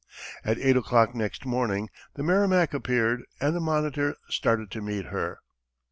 At eight o'clock next morning, the Merrimac appeared, and the Monitor started to meet her.